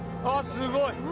あっすごい！